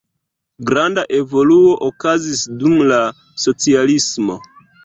Granda evoluo okazis dum la socialismo.